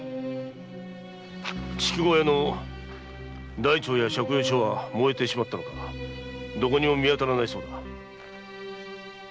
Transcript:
筑後屋の台帳や借用書は燃えてしまったか見当たらないそうだ。